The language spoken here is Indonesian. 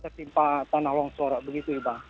tertimpa tanah longsor begitu iba